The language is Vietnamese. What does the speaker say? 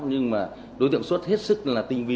nhưng mà đối tượng xuất hết sức là tinh vi